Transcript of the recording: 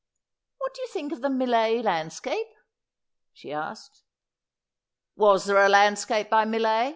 ' What did you think of the Millais landscape ?' she asked. ' Was there a landscape by Millais